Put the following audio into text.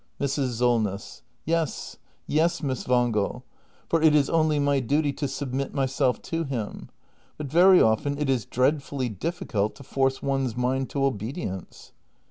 Mrs. Solness. Yes, yes, Miss Wangel; for it is only my duty to sub mit myself to him. But very often it is dreadfully dif ficult to force one's mind to obedience.